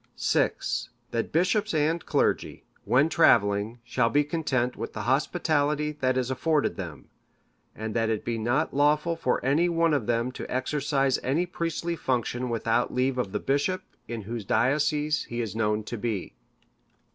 "VI. That bishops and clergy, when travelling, shall be content with the hospitality that is afforded them; and that it be not lawful for any one of them to exercise any priestly function without leave of the bishop in whose diocese he is known to be.